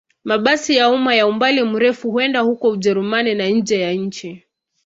Mabasi ya umma ya umbali mrefu huenda huko Ujerumani na nje ya nchi.